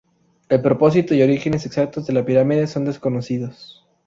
El propósito y orígenes exactos de la pirámide son desconocidos.